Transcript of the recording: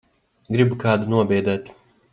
Gribu kādu nobiedēt.